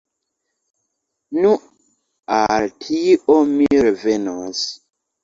Nu, al tio mi revenos.